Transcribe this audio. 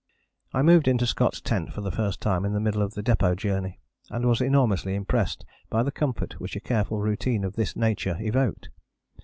I moved into Scott's tent for the first time in the middle of the Depôt Journey, and was enormously impressed by the comfort which a careful routine of this nature evoked.